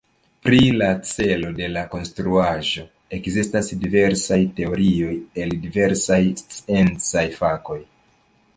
Pri la celo de la konstruaĵo ekzistas diversaj teorioj el diversaj sciencaj fakoj.